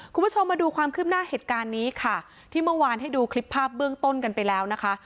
คุณผู้ชมมาดูความคืบหน้าเหตุการณ์นี้ค่ะที่เมื่อวานให้ดูคลิปภาพเบื้องต้นกันไปแล้วนะคะ